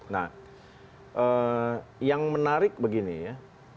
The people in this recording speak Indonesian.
nah yang menarik begini ya